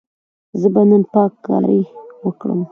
زه به نن پاککاري وکړم.